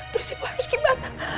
terus ibu harus gimana